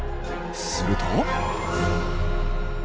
すると。